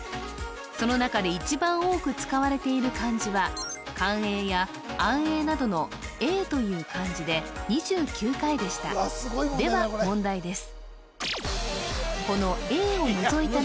その中で一番多く使われている漢字は寛永や安永などの永という漢字で２９回でしたでは問題です